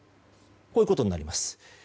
こういうことになります。